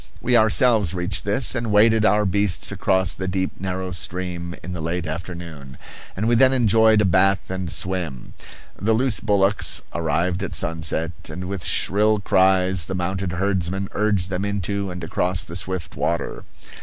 We ourselves reached this, and waded our beasts across the deep, narrow stream in the late afternoon; and we then enjoyed a bath and swim. The loose bullocks arrived at sunset, and with shrill cries the mounted herdsmen urged them into and across the swift water.